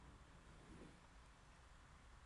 Los cigarros que fuma son, eso sí, de chocolate.